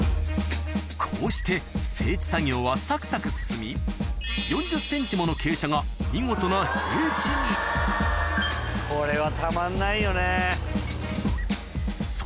こうして整地作業はサクサク進み４０ｃｍもの傾斜がこれは。